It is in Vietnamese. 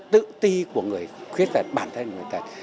tự ti của người khuyết tật bản thân của người khuyết tật